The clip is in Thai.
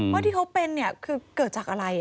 ว่าที่เขาเป็นคือเกิดจากอะไร